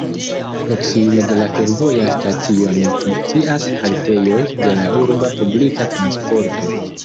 Proksime de la fervoja stacio ne funkcias haltejoj de la urba publika transporto.